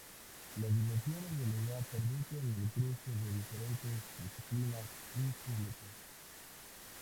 Las dimensiones del lugar permiten el cruce de diferentes disciplinas y públicos.